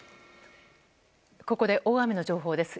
ここで大雨の情報です。